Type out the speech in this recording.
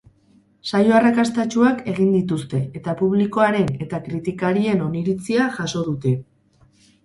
Saio arrakastatsuak egin dituzte, eta publikoaren eta kritikarien oniritzia jaso dute.